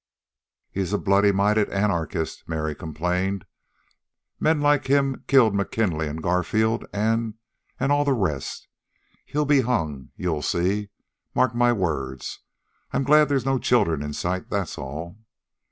"He's a bloody minded anarchist," Mary complained. "Men like him killed McKinley, and Garfield, an' an' an' all the rest. He'll be hung. You'll see. Mark my words. I'm glad there's no children in sight, that's all."